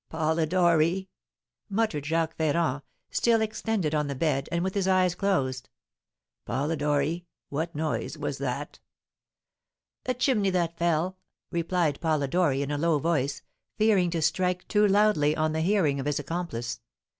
"Polidori!" muttered Jacques Ferrand, still extended on the bed, and with his eyes closed. "Polidori, what noise was that?" "A chimney that fell," replied Polidori, in a low voice, fearing to strike too loudly on the hearing of his accomplice.